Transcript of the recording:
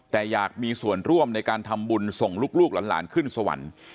แต่อยากมีส่วนร่วมในการทำบุญส่งลูกหลานขึ้นสวรรค์